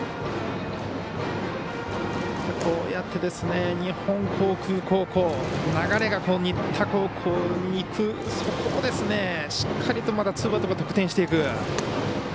こうやって日本航空高校流れが新田高校にいくそこをしっかりとまだ得点していく。